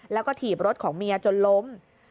แล้วก็ถีบรถของเมียจนล้ม